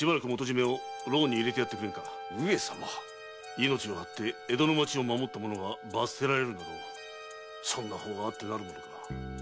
命をはって江戸の町を守った者が罰せられるなどそんな法があってなるものか。